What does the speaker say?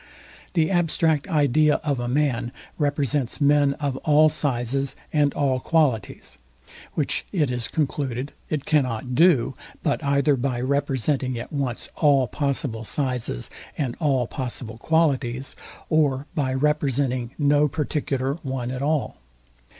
The abstract idea of a man represents men of all sizes and all qualities; which it is concluded it cannot do, but either by representing at once all possible sizes and all possible qualities, or by, representing no particular one at all.